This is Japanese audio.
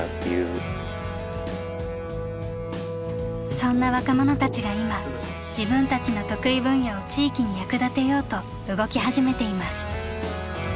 そんな若者たちが今自分たちの得意分野を地域に役立てようと動き始めています。